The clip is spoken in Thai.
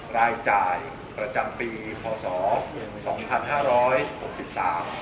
รายจ่ายประจำปีพศ๒๕๖๓